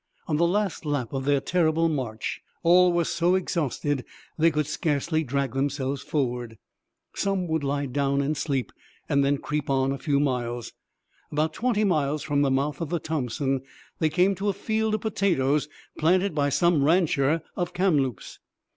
On the last lap of their terrible march all were so exhausted they could scarcely drag themselves forward. Some would lie down and sleep, then creep on a few miles. About twenty miles from the mouth of the Thompson they came to a field of potatoes planted by some rancher of Kamloops.